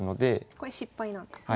これ失敗なんですね。